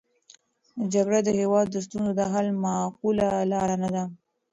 جګړه د هېواد د ستونزو د حل معقوله لاره نه ده.